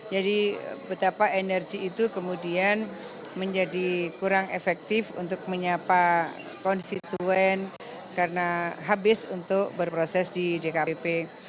jadi betapa energi itu kemudian menjadi kurang efektif untuk menyapa konstituen karena habis untuk berproses di dkpp